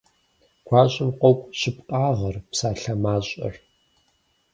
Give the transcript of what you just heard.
Гуащэм къокӀу щыпкъагъэр, псалъэ мащӀэр.